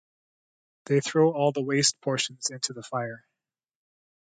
They throw all the waste portions into the fire.